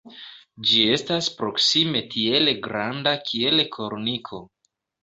Ĝi estas proksime tiel granda kiel korniko.